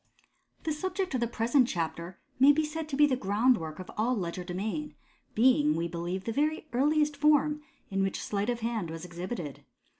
The subject of the present chapter may be said to be the groundwork of all legerdemain, being, we believe, the very earliest form in which sleight of hand was exhibited.